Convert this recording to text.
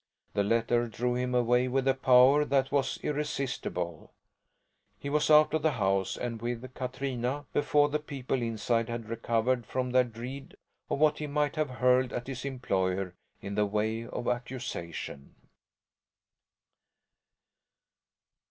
The letter drew him away with a power that was irresistible. He was out of the house and with Katrina before the people inside had recovered from their dread of what he might have hurled at his employer in the way of accusation.